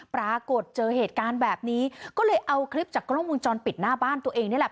ปรากฏเจอเหตุการณ์แบบนี้ก็เลยเอาคลิปจากกล้องวงจรปิดหน้าบ้านตัวเองนี่แหละ